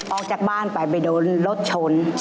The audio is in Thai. ออกจากบ้านไปไปโดนรถชน